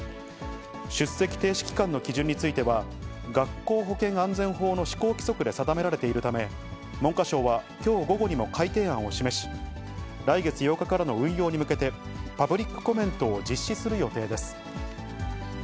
出席停止期間の基準については、学校保健安全法の施行規則で定められているため、文科省はきょう午後にも改訂案を示し、来月８日からの運用に向けて、パブリックコメントを実施する予定です。